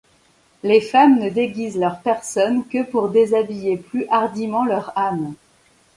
Les femmes ne déguisent leur personne que pour déshabiller plus hardiment leur âme.